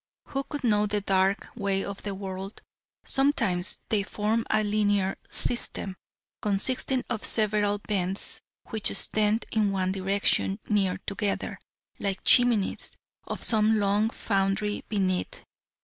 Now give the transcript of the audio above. Who could know the dark way of the world? Sometimes they form a linear system, consisting of several vents which extend in one direction, near together, like chimneys of some long foundry beneath.